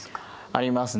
ありますね。